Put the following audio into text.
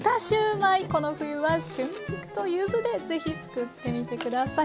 この冬は春菊と柚子で是非作ってみて下さい。